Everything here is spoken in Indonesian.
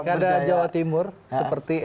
berjaya perikadanya jawa timur seperti